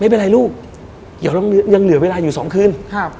ไม่เป็นไรลูกยังเหลือเวลาอยู่สองคืน